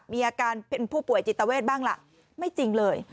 มีอาการเป็นผู้ป่วยจิตเวทบ้างล่ะไม่จริงเลย